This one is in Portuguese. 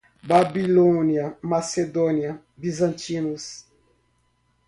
Babilônia, Macedônia, bizantinos